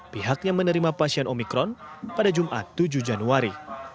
pihaknya menerima pasien omikron pada jumat tujuh januari